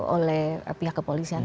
oleh pihak kepolisian